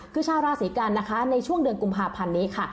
คือชาวราศีกันนะคะในช่วงเดือนกุมภาพันธ์นี้ค่ะ